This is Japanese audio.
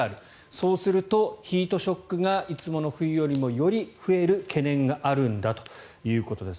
そうするとヒートショックがいつもの冬よりもより増える懸念があるんだということです。